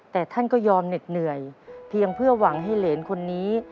แต่ท่านก็ยอมเหน็ดเหนื่อยเพียงเพื่อหวังให้เหรนคนนี้